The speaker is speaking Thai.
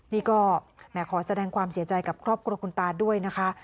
นี่ก็แหมขอแสดงความเสียใจกับครอบครัวคุณตาด้วยนะคะ